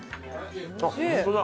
あっホントだ。